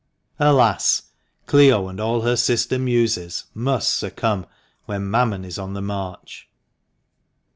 Alas ! Clio and all her sister muses must succumb when Mammon is on the march